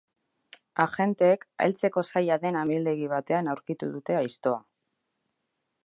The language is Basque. Agenteek heltzeko zaila den amildegi batean aurkitu dute aiztoa.